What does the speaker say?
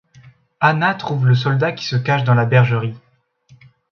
Ana trouve le soldat qui se cache dans la bergerie.